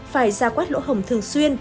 phải giả quét lỗ hổng thường xuyên